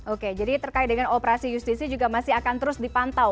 oke jadi terkait dengan operasi justisi juga masih akan terus dipantau